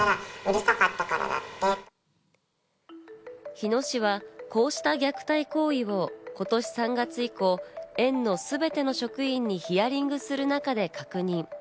日野市はこうした虐待行為を今年３月以降、園のすべての職員にヒアリングする中で確認。